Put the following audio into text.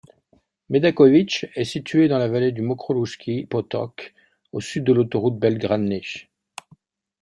Medaković est situé dans la vallée du Mokroluški potok, au sud de l'autoroute Belgrade-Niš.